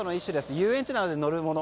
遊園地などで乗るもの。